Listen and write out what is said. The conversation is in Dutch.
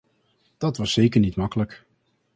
Dat was zeker niet makkelijk.